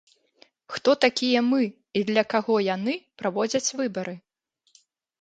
Хто такія мы, і для каго яны праводзяць выбары?